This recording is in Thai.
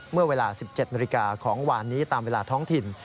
เมื่อเวลา๑๗นาฬิกาของวานนี้ตามเวลาท้องถิ่น